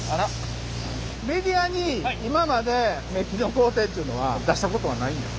メディアに今までめっきの工程っていうのは出したことはないんです。